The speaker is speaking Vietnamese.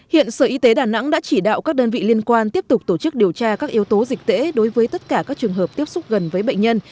hiện sở y tế đà nẵng đã chỉ đạo các đơn vị liên quan tiếp tục tổ chức điều tra các yếu tố dịch tễ đối với tất cả các trường hợp tiếp xúc gần với bệnh nhân